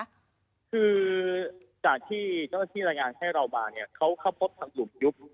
คือจากที่เจ้าหน้าที่รายงานให้เรามาเนี่ยเขาเข้าพบทางหลุมยุบ